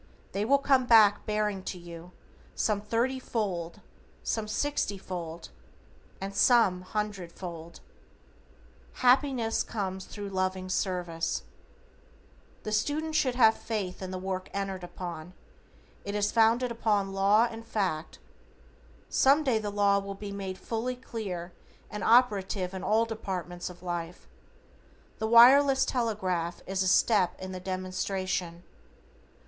They will come back bearing to you, "some thirty fold, some sixty fold, and some an hundred fold." Happiness comes thru loving service. The student should have faith in the work entered upon. It is founded upon law and fact. Some day the law will be made fully clear and operative in all departments of life. The wireless telegraph is a step in the demonstration.